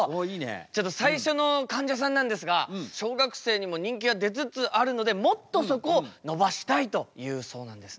ちょっと最初のかんじゃさんなんですが小学生にも人気が出つつあるのでもっとそこを伸ばしたいというそうなんですね。